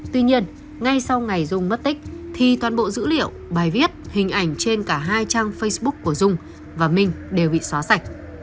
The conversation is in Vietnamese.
tuy nhiên ngay sau ngày dung mất tích thì toàn bộ dữ liệu bài viết hình ảnh trên cả hai trang facebook của dung và minh đều bị xóa sạch